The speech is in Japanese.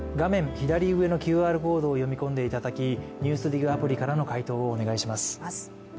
左上のＱＲコードを読み込んでいただき「ＮＥＷＳＤＩＧ」アプリからの回答をお願いします。